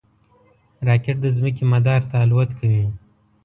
راکټ د ځمکې مدار ته الوت کوي